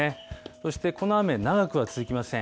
そしてこの雨、長くは続きません。